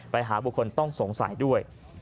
ไปหาบุคคลต้องสงสัยด้วย